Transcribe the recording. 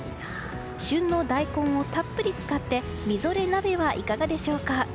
旬の大根をたっぷり使ってみぞれ鍋はいかがでしょうか。